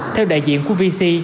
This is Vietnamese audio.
theo đại diện của vc